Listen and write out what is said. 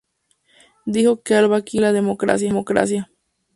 Dijo que Al-Bakhit no cree en la democracia.